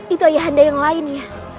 itu ayah anda yang lainnya